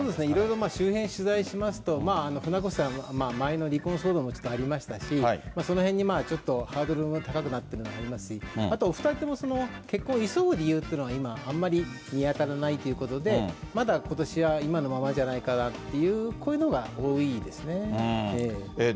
いろいろ周辺取材しますと、船越さん、前の離婚騒動もちょっとありましたし、そのへんにちょっとハードルも高くなってるのもありますし、あとお２人とも、結婚急ぐ理由っていうのが、今、あんまり見当たらないということで、まだことしは、今のままじゃないかなっていう声のほうが多いですね。